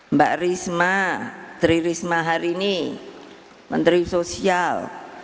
mbak risma tri risma harini menteri sosial